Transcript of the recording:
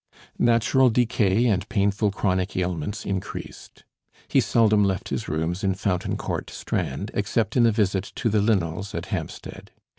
Natural decay and painful chronic ailments increased. He seldom left his rooms in Fountain Court, Strand, except in a visit to the Linnells, at Hampstead.